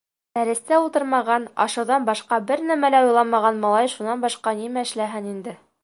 Дәрестә ултырмаған, ашауҙан башҡа бер нәмә лә уйламаған малай шунан башҡа нимә эшләһен инде.